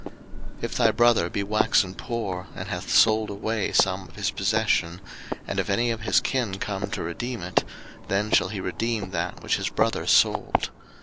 03:025:025 If thy brother be waxen poor, and hath sold away some of his possession, and if any of his kin come to redeem it, then shall he redeem that which his brother sold.